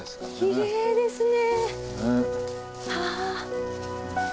きれいですね。